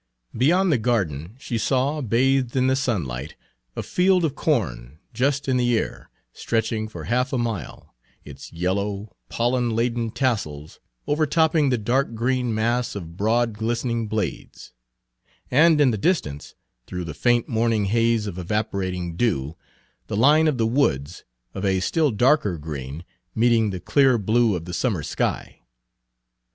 Beyond the garden she saw, bathed in the sunlight, a field of corn, just in the ear, stretching for half a mile, its yellow, pollen laden tassels over topping the dark green mass of broad glistening blades; and in the distance, through the faint morning haze of evaporating dew, the line of the woods, of a still darker green, meeting the clear blue of the summer sky.